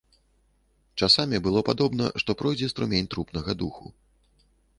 Часамі было падобна, што пройдзе струмень трупнага духу.